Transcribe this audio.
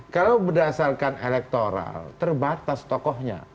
kalau berdasarkan elektoral terbatas tokohnya